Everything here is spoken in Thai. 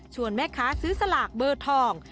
แม่ค้าซื้อสลากเบอร์ทอง